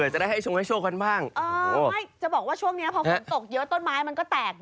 ไม่จะบอกว่าช่วงแรงพอฝันตกเยอะท่อนไม้ก็แตกเยอะแมน